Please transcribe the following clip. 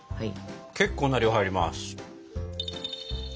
結構な量入ります。